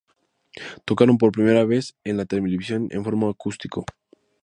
Tocaron por primera vez en vivo en la televisión, en formato acústico.